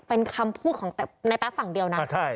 เป็นคำพูดของในแป๊บฝั่งเดียวนะ